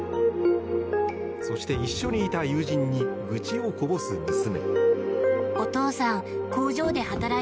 そして、一緒にいた友人に愚痴をこぼす娘。